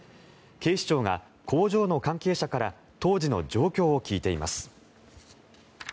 警視庁が、工場の関係者から当時の状況を聞いています。